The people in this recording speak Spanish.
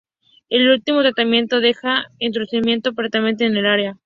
El último tratamiento deja entumecimiento permanente en el área.